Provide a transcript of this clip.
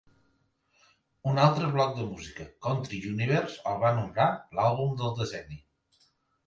Un altre blog de música, Country Universe, el va nombrar l"àlbum del decenni.